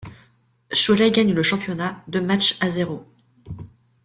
Cholet gagne le championnat deux matchs à zéro.